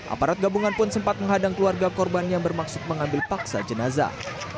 aparat gabungan pun sempat menghadang keluarga korban yang bermaksud mengambil paksa jenazah